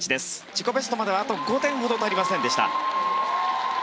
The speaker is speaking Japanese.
自己ベストまではあと５点ほど足りませんでした。